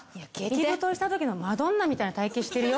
激太りしたときのマドンナみたいな体型してるよ。